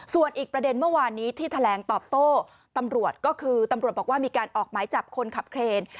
ส่วนอีกประเด็นเมื่อวานนี้ที่แถลงตอบโต้ตำรวจก็คือตำรวจบอกว่ามีการออกหมายจับคนขับเครน